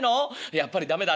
やっぱり駄目だ。